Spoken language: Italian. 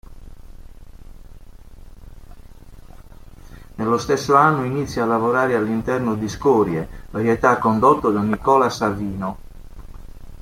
Nello stesso anno inizia a lavorare all'interno di "Scorie", varietà condotto da Nicola Savino.